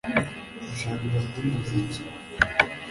Washakaga kumbaza iki